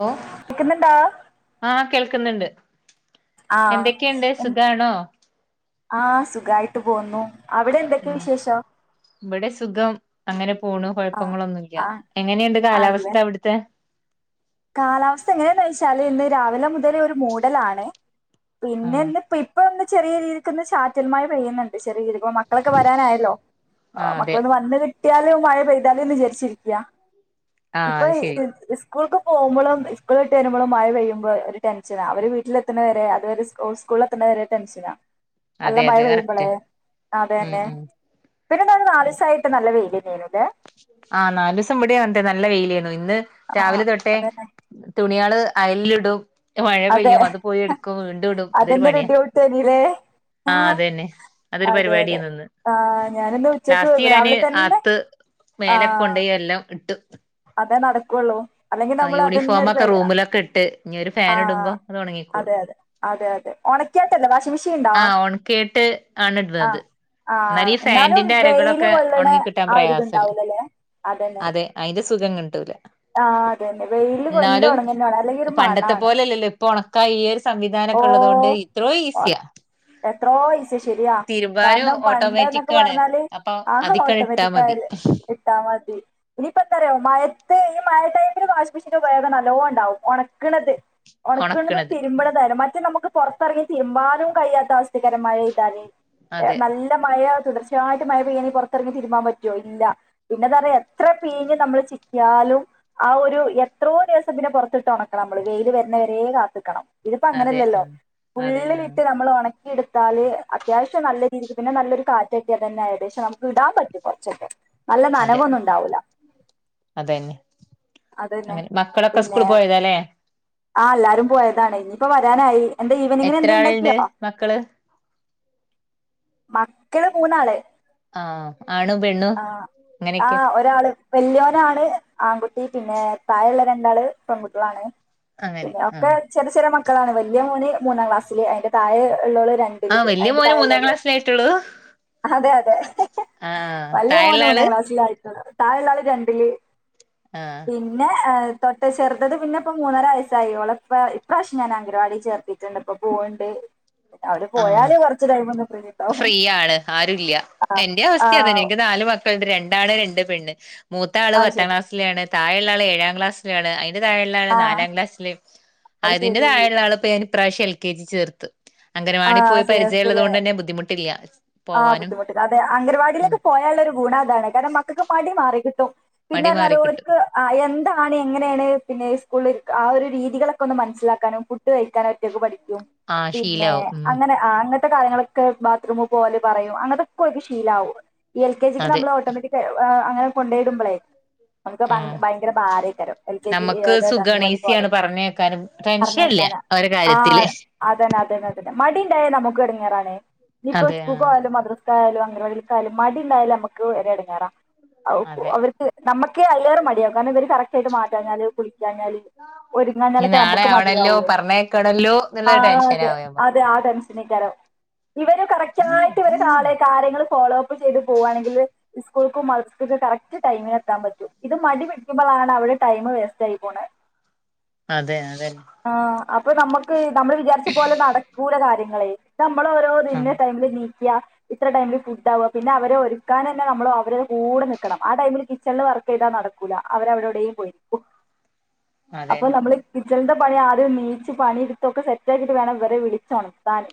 Hello കേക്കുന്നുണ്ടോ ആ കേൾക്കുന്നുണ്ട് ആ എന്തക്കെണ്ട് സുഖണോ ആ സുഖായിട്ട് പോന്നു അവിടെ എന്തൊക്കെ വിശേഷം ഇവിടെ സുഖം അങ്ങനെ പോണു ആ കുഴപ്പങ്ങലൊന്നുല്യ ആ എങ്ങനെയുണ്ട് ആണല്ലേ കാലാവസ്ഥാ അവിടത്തെ കാലാവസ്ഥ എങ്ങനെയന്ന് വെച്ചാല് ഇന്ന് രാവിലെ മുതൽ ഒരു മൂഡലണ് പിന്നെ ആഹ് എന്ത് പിപ്പഒന്നിച്ച ചെറിയ രീതിൽക്ക് ഒന്ന് ചാറ്റൽമഴ പെയ്യുന്നുണ്ട് ചെറിയ രീതി അപ്പ മക്കളൊക്കെ വരാനായല്ലോ ആഹ് അതെ മക്കളൊന്ന് വന്ന്ത് കുട്ടിയാലു മഴ പെയ്താലൊന്നു വിചാരിച്ചിരിക്കയ ആഹ് ഇപ്പൊ അത് ശരി ഇ ഈസ് കുക്ക് പോകുമ്പോഴും ഇസ്കൂളിട്ട് വരുമ്പോഴും മഴ പെയ്യുമ്പോ ഒരു ടെൻഷനാ അവര് വീട്ടിലെത്തുന്നവരെ അത്ര്സ്കൂളില് എത്തണ വരെ ടെൻഷനാ നല്ല അതെ മഴ അതെ പെയ്യുമ്പോളേ കറക്റ്റ് അതെ ഉം തന്നെ ഉം പിന്നെന്ത നാല്സമായിട്ട് നല്ല വെയില് തേനുക ആഹ് നാല്സം ഇവിടെ ഉണ്ട് നല്ല വെയില് ഇന്ന് ആ രാവിലെ തൊട്ടെ അതന്നെ തു കിയാള് അയലിലിടും മഴ അതെ പെയ്യും അത് പോയി എടുക്കും വിടും ഇടും ഇതൊരു അതന്നെ ഒരു പണിയാ ഡ്യൂട്ടനിലേ ആ അത തന്നെ അതൊരു അതെ പരിപാടി അതെ നിന്ന് ആ ഞാനിന്ന് ഉച്ചക്ക് ലാസ്റ്റ് ഞാന് രാവിലെ തന്നെ അത്ത് മേലെ കൊണ്ടോയി എല്ലാം ഇട്ട് അതെ നടക്കുവുള്ളൂ അല്ലെങ്കിൽ നമ്മൾ അതിന്റെ ഒരു പുറകെ റൂമിലൊക്കെ ഇട്ട് ഇനി ഒരു ആ ഫാൻ ഇടുമ്പോ അത് ഉണങ്ങിക്കോളും അതെ അതെ അതെ അതെ ഒണക്യാട്ടല്ല വാഷിമിഷൻ ആഹ് ഉണക്കിയിട്ട് ആണ് ആ ഇടുന്നത് ആ എന്നാൽ ഈ എന്നാലും ഫാൻറ്റിന്റെ വെയില് അരകളൊക്കെ കൊള്ളണ ഉണങ്ങി കിട്ടാൻ ആ ഒരു പ്രയാസല്ലേ ഇതുണ്ടാവൂലല്ലേ അതന്നെ അതെ അതിന്റെ ആ അതന്നെ വെയില് കൊണ്ട് എന്നാലും ഉണങ്ങുന്നതാണ് അല്ലെങ്കിൽ ഒരു പണ്ടത്തെ മണാണ് പോലെല്ലല്ലോ ഇപ്പൊ ഉണക്ക ഈ ഒരു സംവിധാനം ഓക്കെ ഉള്ളത് കൊണ്ട് ഇത്രോ ഇസിയ ഈസിയാ എത്രോയോ ഇസി ശരിയാ തിരുമ്പാനും കാരണം പണ്ട എന്നൊക്കെ ഓട്ടോമാറ്റിക് ആണ് പറഞ്ഞാല് അപ്പൊ ആ ഹാ ഹാ അതിക്കണ് എന്ന് ഇട്ടാ മതി പറഞ്ഞിട്ടമതി ഇട്ടാ മതി ഇനി ഇപ്പത്തരയോ മയ്ത്ത് ഈ മഴ ടൈമില് വാഷി മെഷീൻ വേഗ നല്ലോണ്ടാവും ഉണക്കണത് ഒണകാണാത് ഉണക്കണത് തിരുമ്പനതാണ് മറ്റേ നമുക്ക് പുറത്തിറങ്ങി തീരുമാനും കഴിയാത്ത അവസ്ഥതികര മഴ ഇതാനെ അതെ നല്ല മഴ തീർച്ചായിട്ടും മഴ പെയ്യണ പുറത്തിറങ്ങി തിരുമാൻ പറ്റുമോ ഇല്ല പിന്നെന്താ പറയുക എത്ര പെയഞ് നമ്മൾ യാലും ആ ഒരു എത്രോ ദിവസം പിന്നെ പുറത്തിട്ട് ഉണക്കണം നമ്മള് വെയില് വരുന്നവരെ കാത്തിക്കണം ഇതിപ്പ അതെ അങ്ങനെയല്ലല്ലോ ആ അതെ ആ ഫുള്ളിലിട്ട് നമ്മൾ ഒണ എടുത്താല് അത്യാവശ്യം നല്ല രീതിക്ക് പിന്നെ നല്ലൊരു കാറ്റൊക്കെ തന്നെ ആയത് പക്ഷെ നമുക്ക് ഇടാൻ പറ്റും കുറച്ചൊക്കെ നല്ല അതെ നനവൊന്നും ഉണ്ടാവൂല അതന്നെ അതന്നെ അങ്ങനെ മക്കളൊക്കെ സ്കൂൾ പോയതല്ലേ ആഹ് എല്ലാരും പോയതാണ് ഇനിയിപ്പോ വരാനായി എന്താ ഈവനിങ്ങിനു എത്ര എന്ത ആളുണ്ട് ഉണ്ടാക്കിയോ മക്കള് മക്കള് മൂന്നാള് ആ ആണു പെണ്ണും ആ ആ അങ്ങനൊക്കെ ഒരാള് വല്യോനാണ് ആൺകുട്ടി പിന്നെ താഴൊള്ള രണ്ടാള് പെൺകുട്ടികളാണ് അങ്ങനെ പിന്നെ ഒക്കെ ആഹ് ചെറ് ചെറിയ മക്ക് ക്കളാണ് വലിയ മോന് മൂന്നാം ക്ലാസ്സില് അതിൻ്റെ താഴെ ള്ളോള് രണ്ടില് ആഹ് വല്യ അതിന്റെ മോന് മൂന്നാം താഴെയുള്ള ക്ലാസ്സിലായിട്ടുള്ളൂ അതെ അതെ ആഹ് വല്ല്യ താഴെയുള്ള മോന് ആള് മൂന്നാം ക്ലാസിലായി താഴെയുള്ള ആള് രണ്ടില് ആഹ് പിന്നെ ഏഹ് തൊട്ട് ചെറുത്തത് പിന്നെ ഇപ്പ മൂന്നര വയസ്സായി ഓള് ഇപ്പ ഇപ്രാവശ്യം ഞാൻ അംഗനവാടി ചേർത്തിട്ടുണ്ട് ഇപ്പൊ പോവണ്ട് പിന്നെ അവര് പോയാല് കുറച്ച് ടൈമോന്നു ഫ്രീ ഉണ്ടാവും ഫ്രീ ആണ് ആരുല്ലൃാ എന്റെ അവസ്ഥ അതെ ആഹ് എനിക്ക് നാല് മക്ക് [unintelligible] രണ്ടാണ് രണ്ട് പെണ്ണ് മൂത്ത ആള് അത് പത്താം ശരി ക്ലാസിലാണ് താഴെയുള്ള ആള് ഏഴാം ക്ലാസ്സിലാണ് അ അതിന്റെ താഴെയുള്ളാള് ആഹ് നാലാം ക്ലാസില് അത് അതിന്റെ ശരി താഴെയുള്ള ആളിപ്പൊ ഇപ്രാവശ്യം എൽ കെ ജി ചേർ [unintelligible] അംഗനവാടി പോയി പരിചയളുള്ളത് കൊണ്ട് തന്നെ ബുദ്ധിമുട്ടില്ല ആഹ് പോവാനും ബുദ്ധിമുട്ട് അതെ ഉം അംഗനവാടിയിലേക്ക് പോയാലുള്ള ഒരു ഗുണം അതാണ് കാരണം മക്കൾക്ക് മടി മാറിക്കിട്ടും മടി പിന്നെല്ലാ മാറി കിട്ടും ഓർക്ക് എന്താണ് എങ്ങനെയാണ് പിന്നെ സ്കൂളില് ആ ഒരു രീതികളൊക്കെ ഒന്ന് മനസ്സിലാക്കാനും ഫുഡ് കഴിക്കാനും ഒറ്റൊക്കെ പഠി ക്കും ആഹ് പിന്നെ ശീലാവും ഉം അങ്ങനെ ആഹ് അങ്ങ ത്തെ കാര്യങ്ങളൊക്കെ ബാത്റൂമ് പോലെ പറയും അങ്ങനത്തൊക്കെ ഓർക്ക് ശീലാവും എൽ കെ ജിക്ക് അതെ നമ്മൾ ഓട്ടോമാറ്റിക് [unintelligible] നിങ്ങൾ കൊണ്ടയിടുമ്പളേ ആഹ് [unintelligible] ഭയങ്കര ഭാരക്കരം എൽ കെ ജി നമ്മക്ക് സുഖാണ് അംഗനവാടി ഈസിയാണ് പോവാനൊക്കെ പറഞ്ഞേക്കാനും ടെൻഷനില്ല പറഞ്ഞയക്കാനാ അവരെ കാര്യത്തില് ആഹ് അതന്നെ അതന്നെ അതന്നെ മടി [unintelligible] നമുക്ക് ഇടങ്ങാറാണേ ഇനീപ്പോ അതെ ആ കൂൾക്കായാലു മദ്രസ് യാലും അംഗനവാടിക്കല മടിണ്ടായാല് നമുക്ക് വരെ ഇടങ്ങാറാ അവു അതെ അവർക്ക് നമുക്ക് അതിലേറെ മടിയാ കാരണം ഇവ കറക് ട്ട് മാറ്റാഞ്ഞാല് കുളിക്കാഞ്ഞാല് ഇനി ഒരുങ്ങഞ്ഞാലൊക്കെ നാളെ നമുക്ക് ആവണല്ലോ മതിയാവോ പറഞ്ഞേക്കണല്ലോ ആ എന്നുള്ളൊരു അതെ ടെൻഷനാവും നമ്മക്ക് അതെ ആ ടെൻഷനായിക്കാരം ഇവരെ കറക് ടായിട്ട്വ കാളെ കാര്യങ്ങള് ഫോളോ അപ്പ് ചെയ്ത് പോവാണെങ്കിൽ സ്കൂൾക്കും മദ്‌റസക്കും കറക്റ്റ് ടൈമിന് എത്താൻ പറ്റും ഇത് മടി പിടിക്കുമ്പോൾാണ് അവിടെ ടൈമ് വേസ്റ്റായി പോണേ അതെ അതെ പ്പൊ നമ്മക്ക് നമ്മള് വിചാരിച്ച പോലെ നടക്കൂല കാര്യം നിങ്ങളെ നമ്മള ആ ഓരൊതിന് മ്മളിണിക്ക ഇത്ര ടൈമില് ഫുഡ് ആവുക പിന്നെ അവരെ ഒരുക്കാൻ തന്നെ നമ്മ അവരെ കൂടെ നിക്കണം ആ ടൈമില് കിച്ചണില് വർക്ക് ചെയ്താ നടക്കൂല അവര അവരെടെലും പോയിരിക്കും അപ്പോ അതന്നെ നമ്മള് എൻ്റെ പണി ആദ്യം ണീച്ച് പണി ടുത്ത് ഒക്കെ സെറ്റ് ആക്കീട്ട് വേണം വരെ വിളിച്ചോണത്തിന്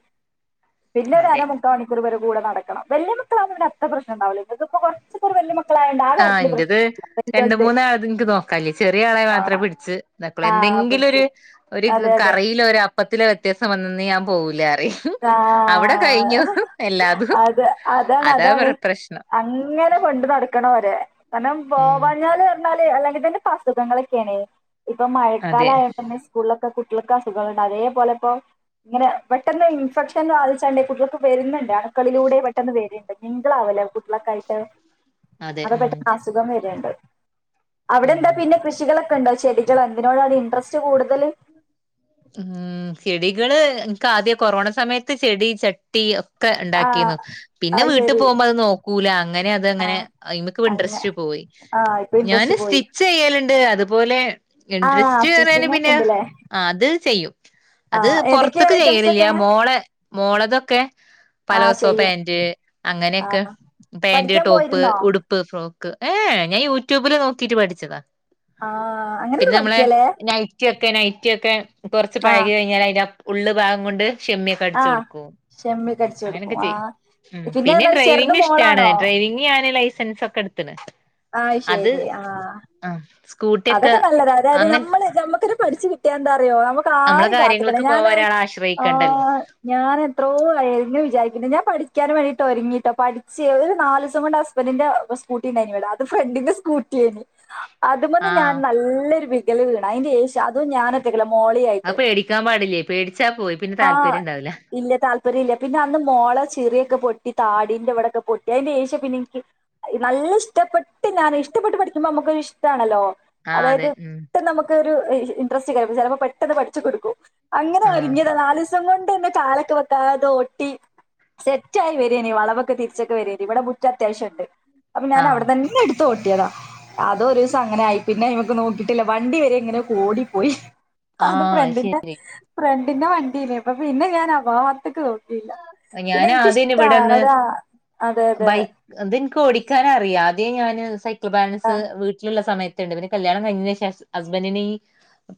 അതെ പിന്നൊരര മുക്കാമണിക്കൂർ വരും കൂടെ നടക്കണം വെല്ല്യമക്കളാണെ അത്ര പ്രശ്ന ഉണ്ടാവൂല ഇങ്ങക്കിപ്പോ കുറച്ചീസം ഒരു വല്ല്യ മക്ക ആഹ് എന്റത് രണ്ട് മൂന്നാളത് ഇൻക്ക് നോക്കനില്ല ചെ ചെറിയ ആളെ മാത്രേ പിടിച്ച് നക്കളൂ ആഹ് പിടിച്ചു എന്തെങ്കിലൊരു അതെ അതെ കറിയിലോ ഒരു അപ്പത്തിലോ വ്യത്യാസം വന്നാ ന്ന് ഞാൻ പോകൂ ആഹ് എല്ലാതും അത് അതാണ് അതാ അതാണ് പ്ര പ്രശ്നം അങ്ങനെ കൊണ്ട് നടക്ക ക്കണ വരെ കാരണം ഉം പോവാഞ്ഞാല് ല് അല്ലെങ്കതിന്റെ അസുഖങ്ങളൊക്കെയാണ് ഇപ്പൊ മഴക്കാല അതെ ആയൊണ്ടെന്നെ തന്നെ സ്കൂളിലക്കെ കുട്ട ക്കെ സുഖാണ് അതേപോലെ ഇപ്പോ ഇങ്ങനെ പെട്ടെന്ന് ഇൻഫെക്ഷൻ ബാധിച്ചണ്ടേ കുട്ടികൾക്ക് വരുന്നുണ്ട് അണക്കളിലൂടെ പെട്ടെന്ന് വരുണ്ട് നിങ്ങളാവല്ലോ കുട്ടികളക്കായിട്ട് അതെ അവിടെ പെട്ട ഉം അസുഖം വര ഞങ്ങൾ അവിടെന്താ ഉം പിന്നെ കൃഷികളെ ഉണ്ടോ ചെടികളോ എന്തിനോടാണ് ഇൻട്രസ്റ്റ് കൂടുതൽ ഉം ചെടികള് എനിക്ക് ആദ്യ കൊറോണ സമയത്ത് ചെടി ചട്ടി ക്കെ ആ ഉണ്ടാക്കീന്നു പിന്നെ അത് വീട്ടിൽ ശരി പോകുമ്പോ അത് നോക്കൂല അങ്ങനെ ആ അങ്ങനെക്ക് അങ്ങ ഇൻട്രസ്റ്റ് പോയി ആ ഇപ്പൊ ഞാന് ഇൻട്രസ്റ്റ് പോയി സ്റ്റിച്ച് ചെയ്യലുണ്ട് അതുപോലെ ആഹ് ഇൻ്രസ്റ്റ് സ്റ്റിച്ചിങ് ഒക്കെ പിന്നെ ഉണ്ട്ല്ലേ അത് ചെയ്യും അത് ആഹ് ഏതൊക്കെയ പുറത്തക്ക് ഐറ്റംസ് ചെയ്യണില്ല ഒക്കെ മോള മോളതൊക്കെ ആഹ് പലാസോ ചെയ്യും പാന്റ് അങ്ങയൊക്കെ പെ പാന്റ് പഠിക്കാൻ ടോപ്പ് പോയിരുന്നോ ഉടുപ്പ് ഫ്രോക്ക് ഏഹ ഞാൻ യൂട്യൂബില് നോക്കിട്ട് പഠിച്ചതാ ആ അങ്ങനെയൊക്കെ പിന്നെ നമ്മളെ പഠിക്കല്ലേ നൈറ്റി ഒക്കെ നൈറ്റി ഒക്കെ കുറച്ച് ആഹ് പഴകി കഴിഞ്ഞാ അതിന്റെ ഉള്ള് ഭാഗം കൊണ്ട് ഷിമ്മിയൊക്കെ അടിച്ച് ആഹ് കൊടുക്കും ഷെമ്മി ഒക്കെ അടിച്ചു കൊടുക്കും അങ്ങനെയൊക്കെ ചെയ്യും ആഹ് പിന്നെ പറഞ്ഞാല് ചെറുത് ഡ്രൈവിംഗ് ഇഷ്ടാണ് മോളാണോ ഡ്രൈവിംഗ് ഞാന് ലൈ സെൻസ് ഒക്കെ എടുത്തിന് ആഹ് ശരി ആ സ്കൂട്ടിയൊക്കെ അതൊക്കെ നല്ലത അതായത് അങ്ങനെ നമ്മള് നമ്മുക്കൊരു പഠിച്ചു കിട്ടിയാ എന്താ അത്രയോ നമുക്ക് നമ്മളെ ആരും കാത്തിക്കണ കാര്യങ്ങൾക്ക് ഞാൻ പോവാൻ ഒരാളെ ആ ആശ്രയിക്കണ്ടല്ലോ ഞാൻ എത്രയോ ആയി വിചാരിക്കുന്നത് ഞാൻ പഠിക്കാൻ വേണ്ടിട്ട് ഒരുങ്ങിട്ടോ പഠിച്ച് ഒരു നല് ദിവസം കൊണ്ട് ഹസ്ബൻഡിന്റെ സ്കൂട്ടിണ്ടായിനി വിട അത് ഫ്രണ്ടിന്റെ സ്കൂട്ടി ആയി അതുമേന്ന് ഞാൻ ആഹ് നല്ലൊരു വീ ളവിവീണ അതിന്റെ അതും ഞാൻ അത് മോളിയായിട്ട് പേടിക്കാൻ പാടില്ലേ പേടിച്ചാ പോയി പിന്നെ ആഹ് താല്പര്യം ഉണ്ടാവില്ല ഇല്ല താല്പര്യമില്ല പിന്നെ അന്ന് മോള ചിറിയൊക്കെ പൊട്ടി താ ടിന്റെവിടൊക്കെ പൊട്ടി അതിന്റെ ശേഷം പക്ഷെ എനിക്ക് നല്ല ഇഷ്ടപ്പെട്ട് ഞാൻ ഇഷ്ടപ്പെട്ട് പഠിക്കുമ്പോൾ നമുക്കൊരു ഇഷ് ഇതാണല്ലോ ആ അതായത് അതെ ഉം ഇപ്പ നമുക്കൊരു ഇൻട്രസ്റ്റ് കാര് ചിലപ്പോ പെട്ടെന്ന് പഠിച്ചു കൊടുക്കും അങ്ങനെ ആഹ് ഒരുങ്ങിയതാ നാല് സം കൊണ്ട്ന്നെ കാലൊക്കെ വെക്കാതെ ഓട്ടി സെറ്റ് ആയി വരി വളവൊക്കെ തിരിച്ചൊക്കെ വര ഇവിടെ മുറ്റം ഒക്കെ അത്യാവശ്യമുണ്ട് അപ്പൊ ഞാൻ അവിടെ ആഹ് തന്നെ എടു ൊട്ടിയതാ അതൊരു അങ്ങനെ ആയി പിന്നെ നമക്ക് നോക്കിയിട്ടില്ല വണ്ടി വരെ എങ്ങനെ ഓടിപ്പോയി അത് ആഹ് ഫ്രണ്ടിന്റെ ശരി ഫ്രണ്ട് ന്നെ വണ്ടീന്നെ അപ്പൊ പിന്നെ ഞാൻ അഭാഗത്തക്ക് നോക്കിയില്ല ഞാൻ പിന്നെ ആദ്യം ഇവിടെ എനിക്കിഷ്ടാണ് ഒന്ന് അതാ അതെ അതെ ബൈക്ക് ഓടിക്കാന് അറിയാ അതെ ഞാന് സ ആ ബാലൻസ് വീട്ടിലുള്ള സമയത്ത് ണ്ട് പിന്നെ കല്യാണം കഴിഞ്ഞേന് ശേഷം ഹസ്ബന്ഡന് ഈ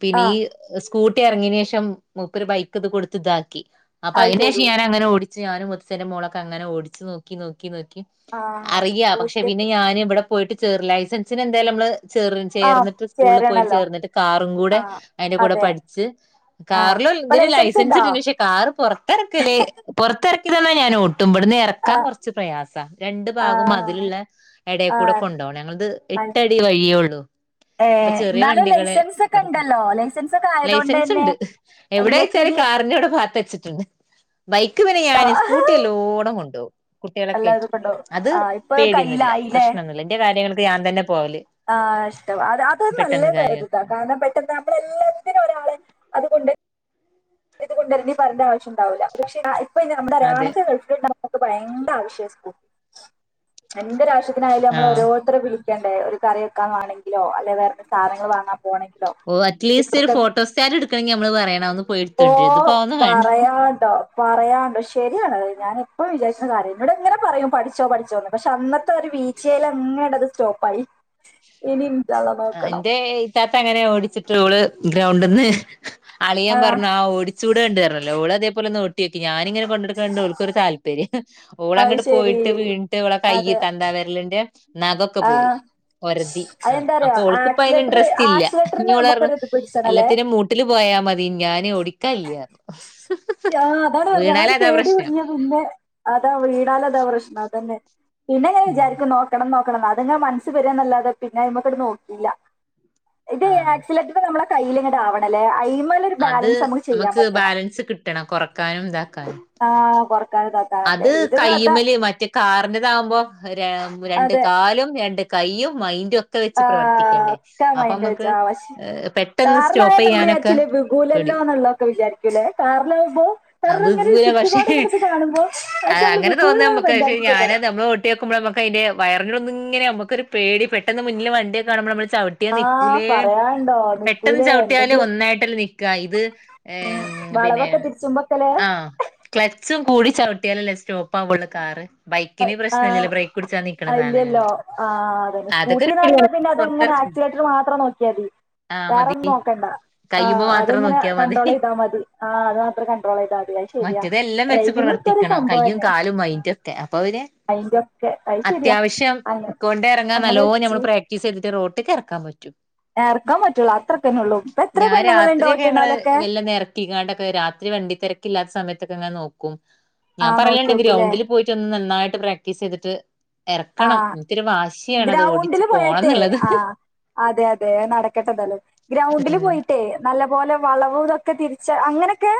പിന്നെ ആ ഈ ഇസ് സ്കൂട്ടി എറങ്ങിയേന് ശേഷം മുപ്പര് ബൈക്ക് ഇത് കൊടുത്ത് ഇതാക്കി അപ്പൊ അത് അയിന് ശേഷം ശരി ഞൻ അങ്ങനെ ഓട് ടിച്ച് ഞാനും മൂത്തച്ചീന്റെ മോളൊക്കങ്ങനെ ഓടിച്ചു നോക്കി നോക്കി ക്കാ ആ അറിയാ പക്ഷെ സ്കൂട്ടി പിന്നെ ഞാനും ഇവിടെ പോയിട്ട് ചേർ ലൈസൻസിന് എന്തായാലും നമ്മള് ചേർ ആ ചേർന്നിട്ട് സ്കൂളിൽ പോയിട്ട് ചേരണല്ലോ ചേർന്നിട്ട് കാറും കൂടെ ആ അയിന്റെ കൂടെ അതെ പഠിച്ച് ആ കാറിൽ ഇപ്പൊ ഇതിന് ലൈസൻസ് ഉണ്ടോ കിട്ടിന് പക്ഷെ കാറ് പൊറത്തെറക്കല് എറക്കി തന്നാ ഞാൻ ഓട് ട്ടും ഇവടുന്ന് ആ ഇറക്കാൻ കുറച്ച് പ്രയാസാ രണ്ടു ആ ഭാഗം മതിലുള്ള ആ എടയ്ക്കൂടെ ആ. കൊണ്ടുപോണം ഞങ്ങളത് എട്ടടി വഴിയേള്ളു ഏ അപ്പൊ ചെറിയ എന്നാലും വണ്ടികളെ ലൈസൻസ് ഒക്കെ ഇവിടത്തെ ഉണ്ടല്ലോ ലൈസൻസ് ഒക്കെ ആയതുകൊണ്ട് ലൈസൻസ് തന്നെ ഉണ്ട് നിങ്ങൾക്ക് എവിടെചോയ്ച്ചാല് ഇനി കാറിന്റെ കൂടെ പാത്ത് വച്ചിട്ടുണ്ട് ബൈക് ക്ക് പിന്നെ ഞാന് സ്കൂട്ടി നല്ലോണം കൊണ്ടുപോകും കുട്ടികളെകേറ്റി എല്ലാരും കൊണ്ടോ അത് ആ ഇപ്പൊ പേടിയൊന്നുല്ല പ്രശ്നൊന്നുമില്ല ന്റെ കാര്യങ്ങൾക് പ്പം ഞാൻ തന്നെ പോവല് ആഹ് ഇഷ്ടം അ അത് പെട്ടെന്ന് കാര്യ നല്ലൊരിതാ കാരണം പെട്ടെന്ന് നമ്മളെ എല്ലാത്തിനും ഒരാളെ അതുകൊണ്ട് ഇതുകൊണ്ടരണ്ടി പറയണ്ട ആവശ്യണ്ടാവൂലാ പക്ഷെ [unintelligible] അപ്പ അതെ നമ്മടെരാണൊക്കെ ഗൾഫിൽ ഇണ്ടാവുമ്പോ ഭയങ്കര ആവശ്യാ സ് എന്തൊരാവശ്യത്തിനായാലും നമ്മൾ ആഹ് ഓരോരുത്തരെ വിളിച്ച് വിളിക്കണ്ടേ ഒരു കറി വെക്കാൻ വേണെങ്കിലോ അല്ലെ വേ ഓ അറ്റ്ലീസ്റ്റ് ഒരു കുട്ടികൾക്ക് ഫോട്ടോസ്റ്റാറ്റ് എടുക്കണമെങ്കിൽ നമ്മള് പറയണം ഒന്ന് പോയി ഓ എടുത്തോണ്ടര് ഇതിപ്പോ അതൊന്നും വേണ്ട പറയാണ്ടോ പറയാണ്ടോ ശരിയാണ് ഞാന് ഇപ്പ വിചാരിച്ച കാര്യാണ് എന്നോട് എങ്ങനെ പറയും പഠിച്ചോ പഠിച്ചോന്ന് പക്ഷെ അന്നത്തെ ഒരു വീഴ്ച്ചയിൽ അങ്ങനെ ആണ് അത് സ്റ്റോപ്പായി ഇനി ഇൻഷാഅള്ള നോക്കണം ച്ചാച്ചാ അങ്ങനെ ഓടിച്ചിട്ട് ഓള് ഗ്രൗണ്ടിന്ന് അളിയൻ ആഹ് പറഞ്ഞു ആ ഓടിച്ചൂടാണ്ട് പറഞ്ഞല്ലോ ഓളത് അതുപോലൊന്ന് ഓട്ടി നോക്കി ഞാനിങ്ങനെ കൊണ്ടെടുക്കണ്ട് ഓൾക്കൊരു താല്പര്യം അത് ഓളങ്ങട്ട് ശരി പോയിട്ട് വീണിട്ട് ഓളെ കൈ അതെ തന്തവിരലിന്റെ നഖമൊക്കെ പോയി ആഹ് ഒരതി അതെന്താറിയോ അപ്പൊ ഓൾക്കിപ്പോ അതിന് ആക്സിലേറ്റർ ഇൻട്രസ്റ്റ് ഇല്ല ഇനി ആക്സിലേറ്ററിന് ഓള് നമുക്കൊരിത് പിടിച്ചണല്ലേ എല്ലാത്തിനും മൂട്ടില് പോയാ മതി ഞാന് ഓട് ക്കാനില്ല ആ അതാണ് പറഞ്ഞെ ആ ഒരു പേടി കുടുങ്ങിയാ പിന്നെ അതാ വീണാലതാ പ്രശ്നം അതന്നെ പിന്നെ ഇങ്ങനെ ഉം വിചാരിക്കും നോക്കണം നോക് നോക്കണന്ന് അതിങ്ങനെ മനസ്സിൽ വര്യ എന്നല്ലാതെ പിന്നെ അയിമ്മക്കട് നോക്കിയില്ല ഇത് ആ ആക്സിലേറ്റർ നമ്മളെ കയ്യിലിങ്ങട് ആവണല്ലേ അയ് അത് നമുക്ക് ബാലൻസ് കിട്ട ണം കൊറക്കാനും ഇതാക്കാനും ആഹ് കൊറക്കാനും താത്താനൊക്കെ അത് ഇത് താത്ത കയ്യ്മല് മറ്റേ കാറിന്റെറതാകുമ്പോ രണ്ട് കാലും രണ്ട് കൈയും മൈ ആ ഒക്ക മൻ വച്ച നമുക്ക് ആ പക്ഷെ പെട്ടെന്ന് കാറിലായ സ്റ്റോപ്പ് നമ്മള് ചെയ്യാനൊക്കെ ച്ചലെ പേടി വിലല്ലോ എന്നുള്ളതൊക്കെ വിചാരിക്കൂല്ലേ കാറിലാവകുമ്പോ കാ എങ്ങനെ ചുറ്റുപാട് എങ്ങന കാണുമ്പോ അ പക്ഷെ നമ്മള് അനെ തോന്നാ വിഗൂല നമമ്മക്ക് പക്ഷെ ഞാന് മെന്റാലിറ്റിക്കാണ് നമ്മള് ഓട്ടിയപ്പോ ഞമ്മക്ക് അതിന്റെ പറഞ്ഞൊന്ന ഇങ്ങനെ നമക്കൊരു പേടി പെട്ടെന്ന് മുന്നിൽ വണ്ടിയൊക്ക കാുമ്പോ നമ്മള് ചവിട്ടിയാ ആ നിക്കൂലേ പറയാണ്ടോ പെട്ടന്ന് നിക്കൂലേ ചവിട്ടിയാലേ എന്തെങ്കിലും ഒന്നായിട്ടല്ല നി ക്കാ ഇത് പിന്നെ വളവൊക്കെ തിരിച്ചുമ്പൊക്കലേ ആ ക്ലച്ചും കൂടി ചവിട്ടിയാലല്ലേ സ്റ്റോപ്പ് ആവുള്ളൂ കാറ് ബൈക്കിന് പ്രശ്നമില്ലല്ലോ ബ്രേക്ക് പിടിച്ചാ നിക്കണ ആ സാധനല്ലേ ഇല്ലല്ലോ ആ് അതെ അതൊക്കെ ഒരു സ്കൂട്ടിന്ന് പേടിയാണ് പറയുമ്പോ പിന്നെ അതെങ്ങനെ പുറത്തിറക്കും ആക്സിലേറ്റർ മാത്രം നോക്കിയാ മതി ആഹ് മതി വേറൊന്നും നോക്കണ്ട ആ കയ്യുമ്മെ മാത്രം അതെങ്ങനെ നോക്കിയാ മതി കണ്ട്രോൾ ചെയ്താൽ മതി ആ അത് മാത്രം കണ്ട്രോൾ ചെയ്താൽ മതിയത് ശരിയാ ഡ്രൈവിങ് കിക്കണം കയ്യും കാലും വൈറ്റൊക്കെ അപ്പ അവര് അതിന്റെ ഒക്കെ അത് ശരിയാ അത്യാവശ്യം അങ്ങനെ കൊണ്ടേ ഇറങ്ങാൻ നല്ലോ അങ്ങനെ ച് നമ്മൾ പ്രാക്ടീസ് ചെയ്തിട്ട് റോട്ടിക്ക് ഇറക്കാൻ പറ്റു ഏർക്കാൻ പറ്റുള്ളൂ അത്രക്കന്നെള്ളൂ ഇപ്പൊ എത്ര ഞാൻ പെണ്ണുങ്ങളുണ്ട് രാത്രിയ ഒക്കെ ഞങ്ങള് ഓട്ടണോലൊക്കെ മെല്ലെ ഇറക്കി ങ്ങാണ്ടൊക്കെ രാത്രി വണ്ടി തിരക്കില്ലാത്ത സമയത്ത ങ്ങെ നോക്കും ആ ഞാൻ നോക്കി പറയുണ്ടെങ്ക നോക്കൂല്ലേ ഗ്രൗണ്ടിൽ പോയിട്ട ഒന്നും നന്നായിട്ട് പ്രാക്ടീസ് ചെയ്തിട്ട് ആ ഇറക്കണം ഇൻത്തൊരു വാശി ഗ്രൗണ്ടില് പോയട്ടെ ആ അതെ അതെ നടക്കട്ടെ ഏതാലും ഗ്രൗണ്ടിൽ പോയിട്ടേ നല്ലപോലെ വളവ് ഇതൊ ക്കെ തിരിച്ച അങ്ങനൊക്കെ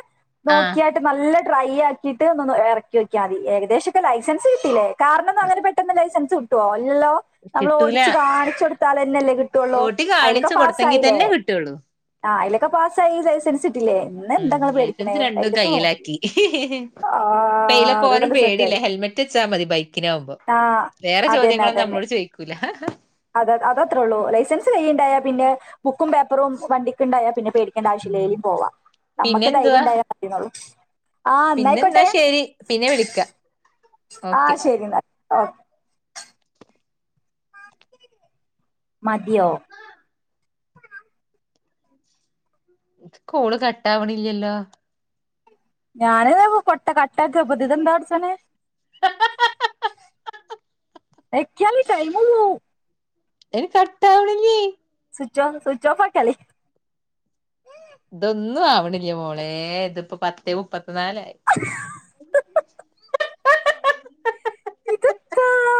ആഹ് നോക്കിയാട്ട് നല്ല ട്രൈ ആക്കിട്ട് ഒന്ന് ഒന്ന് ഇറക്കി നോക്കിയാ മതി ഏകദേശൊക്കെ ലൈസൻസ് കിട്ടില്ലേ കാരണം അങ്ങന പെട്ടന്ന് ലൈസ കിട്ടോ ഇല്ലല്ലോ നമ്മൾ കിട്ടൂല ഓടിച്ച് കാണിച്ചെടുത്താലല്ലേ കിട്ടുള്ളൂ ഓട്ടി അതിലൊക്കെ കാണിച്ചു കൊടുത്തെങ്കി പാസായില്ലേ തന്നെ കിട്ടുള്ളൂ ആ ഐലൊക്കെ പാസായി ലൈസ ഉം ലൈസൻസ് രണ്ടും നോക്കി കയ്യിലാക്കി ആ ഇപ്പയില അത് പോവാനും നല്ല പേടില്ല സെറ്റായി ഹെൽമെറ്റ് വച്ചാ മതി ബൈക്കിലാവുമ്പോ ആ വേറെ അതന്നെ ചോദ്യങ്ങളൊന്നും അതന്നെ നമ്മളോട് ചോയ് അത ത് അതത്രേ ഉള്ളൂ ലൈസൻസ് കയ്യില്ണ്ടാ ഏപിന്നെ ബുക്കും പേപ്പറും വണ്ടിക്ക് ഇണ്ടായ പിന്നെ പേടിക്കേണ്ട ആവശ്യല്ല ഉം ഏലിം പോവാ പിന്നെ നമ്മക്ക് ധൈര്യം എന്തുവാ ഇണ്ടായാ മതീന്നൊള്ളൂ പിന്നെ ഇന്നാ ശെരി പിന്നെ വിളിക്ക ആ ഓക്കെ ശെരി അന്ന ഓ മതിയോ കാള് കട്ട്‌ ആവ്ണില്ല്യല്ലോ ഞാന് കൊട്ട കട്ട്‌ ആക്കാപ്പത് ഇതെന്താ വടച്ചോനെ ഹ ഹ ഹ വെക്ക [unintelligible] ടൈമ് പുവ്വും എടി കട്ട്‌ ആവ്ണില്യേ സ്വിച്ച് ഓഫ്‌ സ്വിച്ച് ഓഫ്‌ ആക്കിയാളി ഇതൊന്നുആ ആവണില്ല്യ മോളെ ഇതിപ്പോ പത്ത് മുപ്പത് [unintelligible] ഇത്പ്പള്ളേ